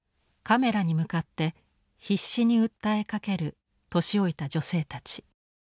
カメラに向かって必死に訴えかける年老いた女性たち。